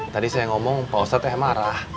tadi saya ngomong pak ustaz teh marah